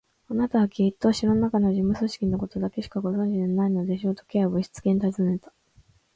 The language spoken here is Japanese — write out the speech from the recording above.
「あなたはきっと城のなかの事務組織のことだけしかご存じでないのでしょう？」と、Ｋ はぶしつけにたずねた。